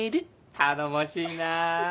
頼もしいなあ。